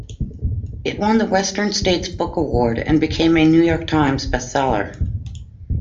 It won the Western States Book Award and became a "New York Times" bestseller.